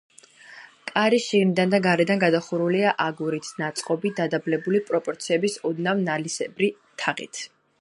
კარი შიგნიდან და გარედან გადახურულია აგურით ნაწყობი, დადაბლებული პროპორციების, ოდნავ ნალისებრი თაღით.